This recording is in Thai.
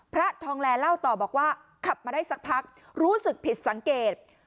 พระทองแลเล่าต่อบอกว่าขับมาได้สักพักรู้สึกผิดสังเกต